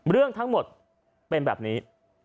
เรื่องทั้งหมดเป็นแบบนี้